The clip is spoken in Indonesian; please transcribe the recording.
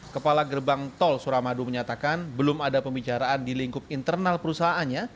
kepala gerbang tol suramadu menyatakan belum ada pembicaraan di lingkup internal perusahaannya